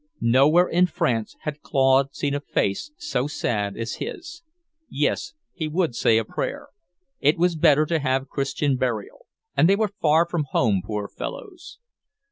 Nowhere in France had Claude seen a face so sad as his. Yes, he would say a prayer. It was better to have Christian burial, and they were far from home, poor fellows!